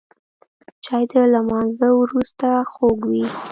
چای د لمانځه وروسته خوږ وي